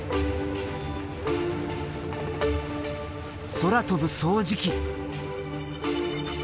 空飛ぶ掃除機！